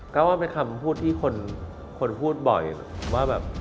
ก็ว่าเป็นคำพูดที่คนพูดบ่อยว่าแบบ